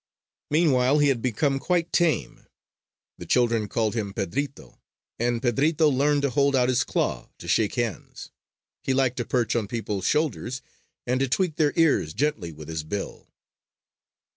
Meanwhile he had become quite tame. The children called him Pedrito; and Pedrito learned to hold out his claw to shake hands; he liked to perch on people's shoulders, and to tweek their ears gently with his bill.